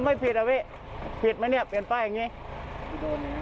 ไม่ผิดอ่ะพี่ผิดไหมเนี่ยเปลี่ยนป้ายอย่างนี้